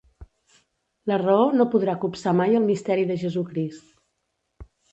La raó no podrà copsar mai el misteri de Jesucrist.